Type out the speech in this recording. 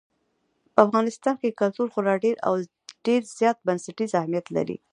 په افغانستان کې کلتور خورا ډېر او ډېر زیات بنسټیز اهمیت لري.